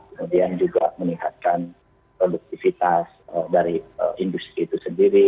kemudian juga meningkatkan produktivitas dari industri itu sendiri